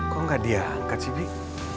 kok gak dia angkat si bik